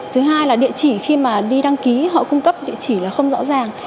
thứ hai là địa chỉ khi mà đi đăng ký họ cung cấp địa chỉ là không rõ ràng